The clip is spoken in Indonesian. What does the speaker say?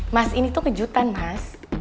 mas ini tuh kejutan mas